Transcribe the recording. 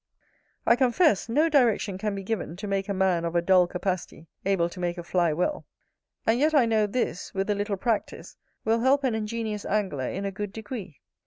I confess, no direction can be given to make a man of a dull capacity able to make a fly well: and yet I know this, with a little practice, will help an ingenious angler in a good degree.